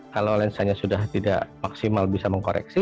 kalau lensanya sudah tidak maksimal bisa mengkoreksi